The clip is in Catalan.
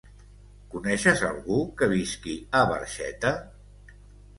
Coneixes algú que visqui a Barxeta?